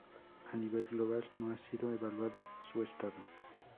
A nivel global no ha sido evaluado su estado.